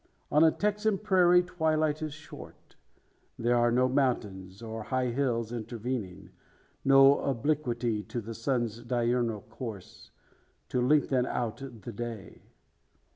On a Texan prairie twilight is short. There are no mountains, or high hills intervening, no obliquity in the sun's diurnal course, to lengthen out the day.